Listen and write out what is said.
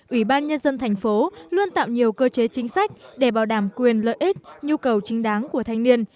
ủy ban nhân dân thành phố luôn tạo nhiều cơ chế chính sách để bảo đảm quyền lợi ích nhu cầu chính đáng của thanh niên